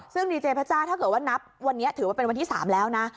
ซึ่งดีเจพระเจ้าถ้าเกิดว่านับวันนี้ถือว่าเป็นวันที่๓แล้วนะ